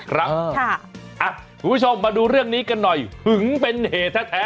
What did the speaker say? คุณผู้ชมมาดูเรื่องนี้กันหน่อยหึงเป็นเหตุแท้